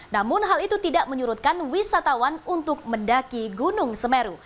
namun hal itu tidak menyurutkan wisatawan untuk mendaki gunung semeru